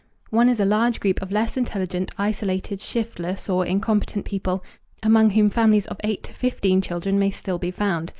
One is a large group of less intelligent, isolated, shiftless, or incompetent people, among whom families of eight to fifteen children may still be found.